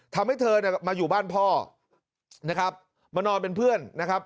ทำให้เธอเนี่ยมาอยู่บ้านพ่อนะครับมานอนเป็นเพื่อนนะครับ